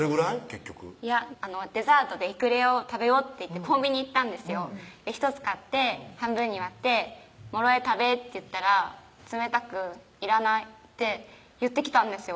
結局いや「デザートでエクレアを食べよう」と言ってコンビニ行ったんですよ１つ買って半分に割って「もろえ食べ」って言ったら冷たく「いらない」って言ってきたんですよ